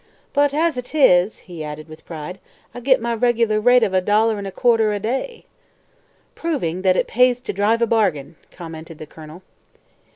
But, as it is," he added with pride, "I git my reg'lar rate of a dollar 'n' a quarter a day." "Proving that it pays to drive a bargain," commented the Colonel.